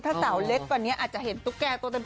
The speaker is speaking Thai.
ถ้าสาวเล็กกว่านี้อาจจะเห็นตุ๊กแก่ตัวเต็ม